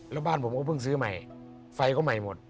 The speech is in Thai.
แล้วบ้านผมก็เพิ่งซื้อใหม่ไฟก็ใหม่หมด